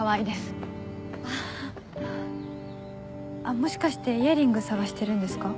もしかしてイヤリング捜してるんですか？